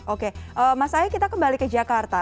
oke mas ayu kita kembali ke jakarta